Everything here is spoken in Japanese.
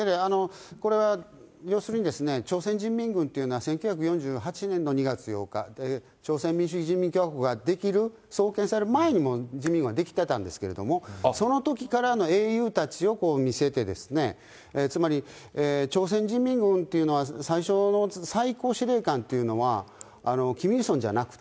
これは要するに、朝鮮人民軍っていうのは、１９４８年の２月８日、朝鮮民主主義人民共和国が出来る、創建される前に人民は出来てたんですけれども、そのときからの英雄たちを見せて、つまり、朝鮮人民軍というのは、最初、最高司令官というのはキム・イルソンじゃなくて。